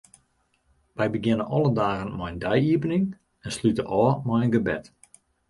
Wy begjinne alle dagen mei in dei-iepening en slute ôf mei in gebed.